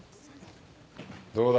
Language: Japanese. どうだ？